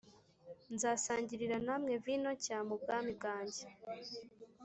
nzasangirira namwe vino nshya mu bwami bwa njye